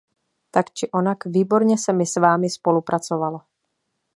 Tak či onak, výborně se mi s Vámi spolupracovalo.